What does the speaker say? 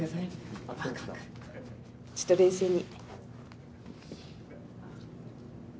ちょっと冷静に。